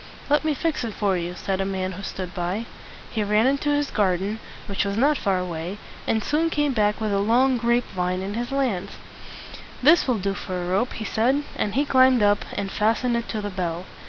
"Let me fix it for you," said a man who stood by. He ran into his garden, which was not far away, and soon came back with a long grape vine in his hands. "This will do for a rope," he said; and he climbed up, and fastened it to the bell.